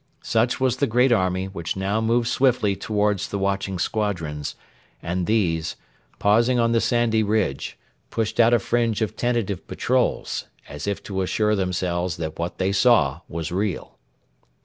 Such was the great army which now moved swiftly towards the watching squadrons; and these, pausing on the sandy ridge, pushed out a fringe of tentative patrols, as if to assure themselves that what they saw was real.